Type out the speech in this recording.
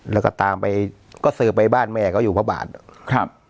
แล้วก็ตามไปก็สืบไปบ้านแม่เขาอยู่พระบาทครับ